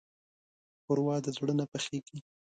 ښوروا د زړه نه پخېږي.